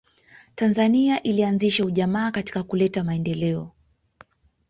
tanzania ilianzisha ujamaa katika kuleta maendeleo